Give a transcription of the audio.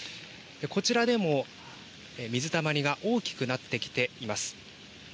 こちらでも水たまりが大きくなってきています。